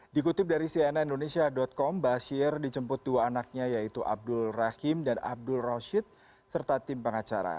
dikutip dari cnindonesia com basir dicemput dua anaknya yaitu abdul rahim dan abdul roshid serta tim pengacara